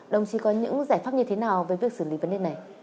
đồng chí có những giải pháp như thế nào về việc xử lý vấn đề này